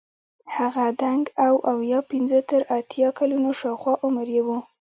هغه دنګ او اویا پنځه تر اتیا کلونو شاوخوا عمر یې وو.